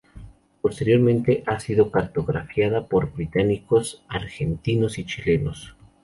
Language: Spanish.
Posteriormente, ha sido cartografiada por británicos, argentinos y chilenos.